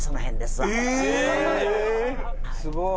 すごい！